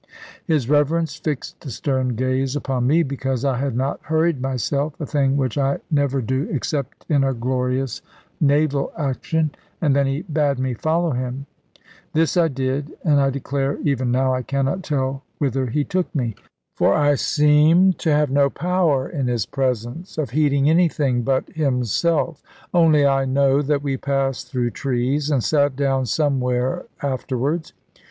His Reverence fixed a stern gaze upon me, because I had not hurried myself a thing which I never do except in a glorious naval action and then he bade me follow him. This I did; and I declare even now I cannot tell whither he took me. For I seemed to have no power, in his presence, of heeding anything but himself: only I know that we passed through trees, and sate down somewhere afterwards.